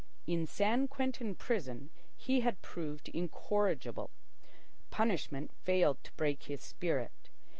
In San Quentin prison he had proved incorrigible. Punishment failed to break his spirit.